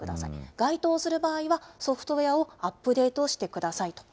該当する場合は、ソフトウェアをアップデートしてくださいと。